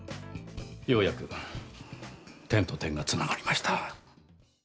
ようやく点と点がつながりました。